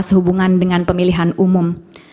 sehubungan dengan pemilihan umum